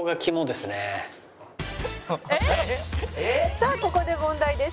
「さあここで問題です。